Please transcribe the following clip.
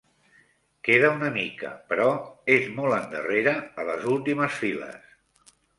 Queda una mica, però és molt endarrere, a les últimes files.